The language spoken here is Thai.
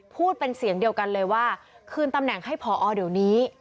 พูดเป็นเสียงเดียวกันเลยว่าคืนตำแหน่งให้พอเดี๋ยวนี้